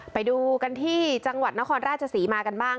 ไปดูกันที่จังหวัดนครราชศรีมากันบ้าง